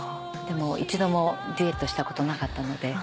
でも一度もデュエットしたことなかったので。